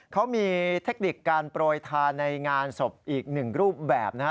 เขามีเทคนิคการโปรยทานในงานศพอีกหนึ่งรูปแบบนะฮะ